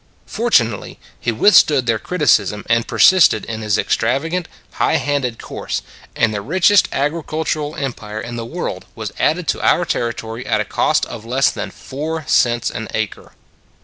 Fortunately he withstood their criticism and persisted in his extravagant, high handed course, and the richest agri cultural empire in the world was added to our territory at a cost of less than four cents an acre.